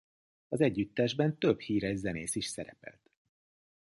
Az együttesben több híres zenész is szerepelt.